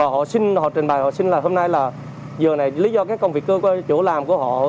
họ trình bày là hôm nay là lý do công việc cơ của chỗ làm của họ